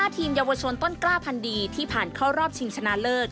ทีมเยาวชนต้นกล้าพันดีที่ผ่านเข้ารอบชิงชนะเลิศ